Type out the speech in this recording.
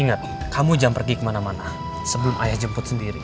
ingat kamu jangan pergi ke mana mana sebelum ayah jemput sendiri ya